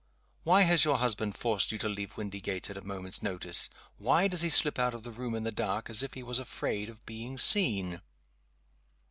Why has your husband forced you to leave Windygates at a moment's notice? Why does he slip out of the room in the dark, as if he was afraid of being seen?